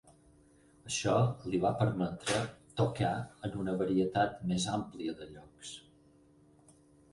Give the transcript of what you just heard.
Això li va permetre tocar en una varietat més àmplia de llocs.